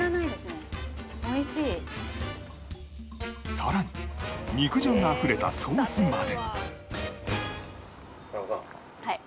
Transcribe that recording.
さらに肉汁があふれたソースまで